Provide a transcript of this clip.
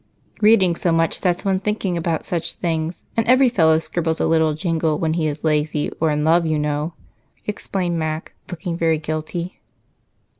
"Reading so much sets one thinking about such things, and every fellow scribbles a little jingle when he is lazy or in love, you know," explained Mac, looking very guilty.